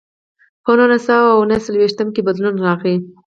په نولس سوه او نهه څلوېښتم کې بدلون راغی.